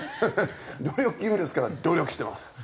努力義務ですから努力してます。